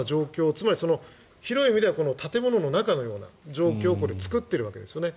つまり、広い意味では建物の中のような状況をこれ、作っているわけですよね。